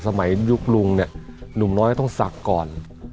สมัยยุคลุงเนี่ยหนุ่มน้อยต้องสักก่อน